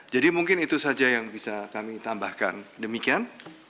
jadi mungkin itu saja yang bisa kami tambahkan demikian